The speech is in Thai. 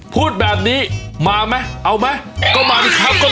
พูดแบบนี้มามั้ยเอามั้ยก็มาดีครับ